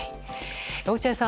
落合さん